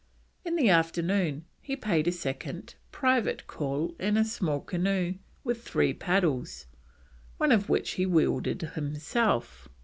In the afternoon he paid a second (private) call in a small canoe with three paddles, one of which he wielded himself.